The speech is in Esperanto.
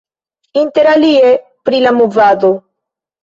Interalie pri la movado.